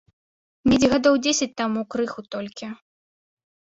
Недзе гадоў дзесяць таму крыху толькі.